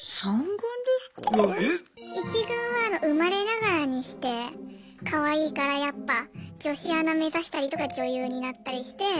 １軍は生まれながらにしてかわいいからやっぱ女子アナ目指したりとか女優になったりして。